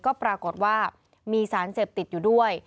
ก็ปรากฏว่ามีสารเสพติดอยู่ด้วย